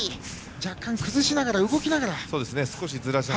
若干、崩しながら動きながら。